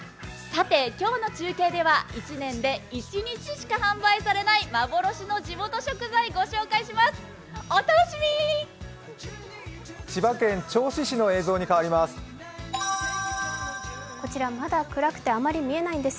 今日の中継では１年で一日しか販売されない幻の地元食材、ご紹介します。